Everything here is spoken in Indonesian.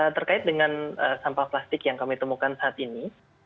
terkait dengan sampah plastik yang kami temukan saat ini